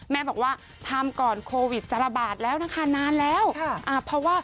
แม่บอกว่าทำก่อนโควิดจะระบาดแล้วนะคะนานแล้วเพราะว่า